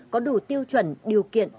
có đủ tiêu chuẩn điều kiện